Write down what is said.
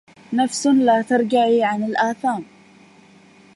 نفس لا ترجعي عن الآثام